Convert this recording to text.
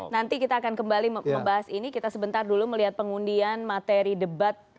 nanti kita akan kembali membahas ini kita sebentar dulu melihat pengundian materi debat